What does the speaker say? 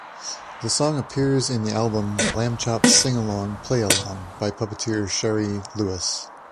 The song appears in the album "Lamb Chop's Sing-Along, Play-Along" by puppeteer Shari Lewis.